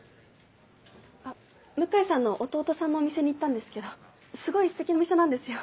向井さんの義弟さんのお店に行ったんですけどすごいステキなお店なんですよ。